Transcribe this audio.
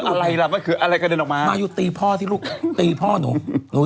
อะไรล่ะก็คืออะไรกระเด็นออกมามาอยู่ตีพ่อสิลูกตีพ่อหนูหนู